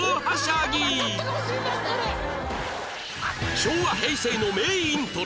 昭和平成の名イントロ